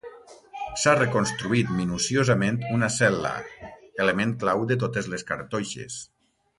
S'ha reconstruït minuciosament una cel·la, element clau de totes les cartoixes.